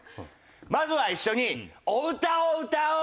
まずは一緒にお歌を歌おう！